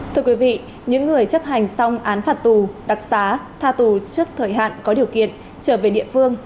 thưa quý vị những người chấp hành xong án phạt tù đặc xá tha tù trước thời hạn có điều kiện trở về địa phương